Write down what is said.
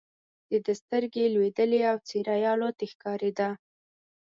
د ده سترګې لوېدلې او څېره یې الوتې ښکارېده.